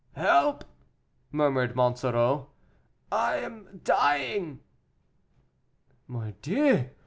"Help!" murmured Monsoreau, "I am dying." "Mordieu!"